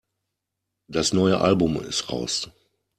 Das neue Album ist raus.